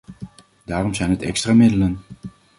Daarom zijn het extra middelen.